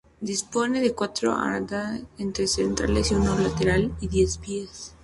Dispone de cuatro andenes, tres centrales y uno lateral y de diez vías.